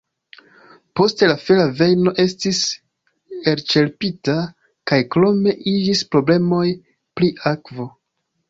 Poste la fera vejno estis elĉerpita kaj krome iĝis problemoj pri akvo.